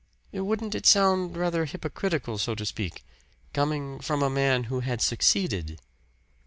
"Wouldn't it sound rather hypocritical, so to speak coming from a man who had succeeded?"